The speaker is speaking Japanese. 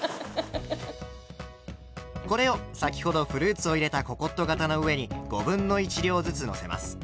これを先ほどフルーツを入れたココット型の上に５分の１量ずつのせます。